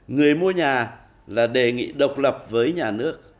người mua nhà là đề nghị độc lập với nhà nước